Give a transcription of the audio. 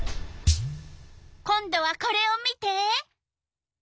今度はこれを見て！